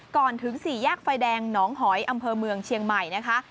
ถึงสี่แยกไฟแดงหนองหอยอำเภอเมืองเชียงใหม่นะคะ